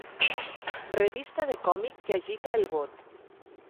Revista de còmic que agita el bot.